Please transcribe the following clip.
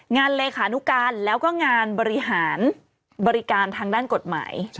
เลขานุการแล้วก็งานบริหารบริการทางด้านกฎหมาย